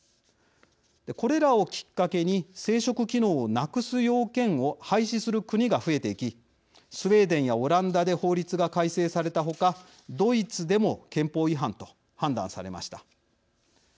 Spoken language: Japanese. これらをきっかけに生殖機能をなくす要件を廃止する国が増えていきスウェーデンやオランダで法律が改正された他ドイツでも憲法違反と判断されました。